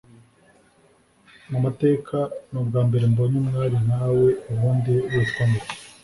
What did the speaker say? mumateka nubwambere mbonye umwari nkawe ubundi witwa ngwiki